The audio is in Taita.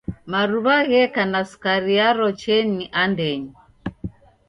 Mariw'a gheka na sukari yaro cheni andenyi.